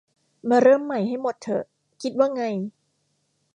มาเริ่มใหม่ให้หมดเถอะ คิดว่าไง